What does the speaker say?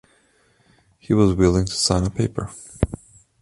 He was willing to sign a paper.